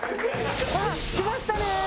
あっ来ましたね！